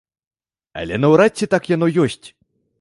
Але наўрад ці так яно ёсць.